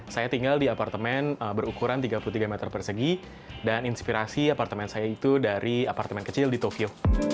saya tinggal di apartemen berukuran tiga puluh tiga meter persegi dan inspirasi apartemen saya itu dari apartemen kecil di tokyo